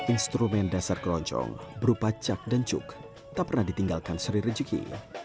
instrumen dasar keroncong berupa cak dan cuk tak pernah ditinggalkan sri rejeki